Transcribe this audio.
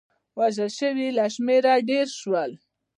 وژل شوي له شمېر ډېر شول.